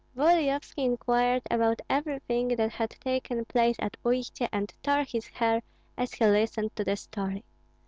Volodyovski inquired about everything that had taken place at Uistsie, and tore his hair as he listened to the story.